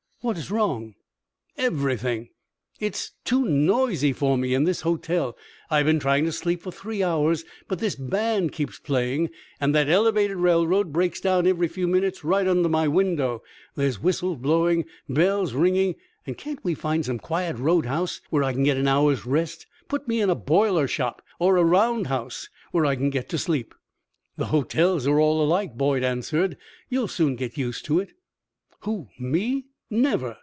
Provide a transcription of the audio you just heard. "What is wrong?" "Everything! It's too noisy for me in this hotel. I've been trying to sleep for three hours, but this band keeps playing, and that elevated railroad breaks down every few minutes right under my window. There's whistles blowing, bells ringing, and can't we find some quiet road house where I can get an hour's rest? Put me in a boiler shop or a round house, where I can go to sleep." "The hotels are all alike," Boyd answered. "You will soon get used to it." "Who, me? Never!